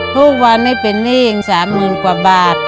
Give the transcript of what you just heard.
ทุกวันไม่เป็นหนี้เอง๓๐๐๐กว่าบาท